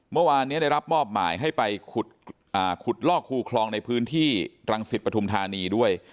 เมื่อวานนี้ได้รับมอบหมายให้ไปขุดลอกคูคลองในพื้นที่รังสิตปฐุมธานีด้วย